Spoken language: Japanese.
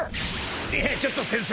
［いやちょっと先生